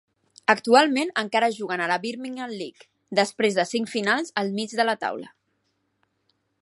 Actualment encara juguen a la Birmingham League, després de cinc finals al mig de la taula.